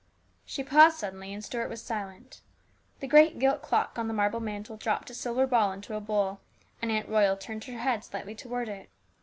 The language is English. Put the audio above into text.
She paused suddenly, and Stuart was silent. The great gilt clock on the marble mantel dropped a silver ball into a bowl, and Aunt Royal turned her head slightly toward it.